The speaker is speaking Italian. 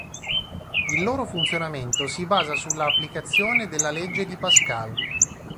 Il loro funzionamento si basa sulla applicazione della Legge di Pascal.